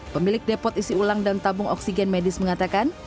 pemilik depot isi ulang dan tabung oksigen medis mengatakan